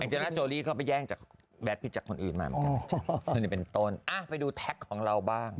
อันเจนัทโจรีเข้าไปแย่งแบตพิษจากคนอื่นมาเหมือนกันอ้าวไปดูแท็กของเราบ้าง